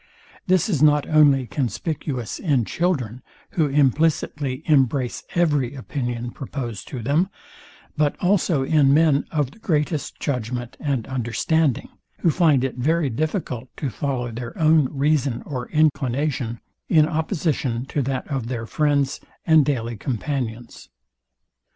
This is not only conspicuous in children, who implicitly embrace every opinion proposed to them; but also in men of the greatest judgment and understanding, who find it very difficult to follow their own reason or inclination, in opposition to that of their friends and daily companions.